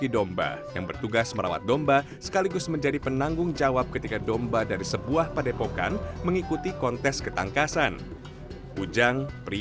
hingga melatih domba agar menjadi pertarung yang tangguh dalam kontes ketangkasan